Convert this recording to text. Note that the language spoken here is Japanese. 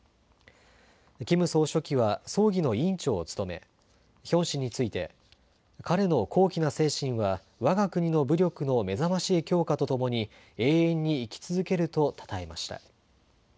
キム総書記は葬儀の委員長を務めヒョン氏について彼の高貴な精神はわが国の武力の目覚ましい強化とともに永遠に生き続けるとたたえました。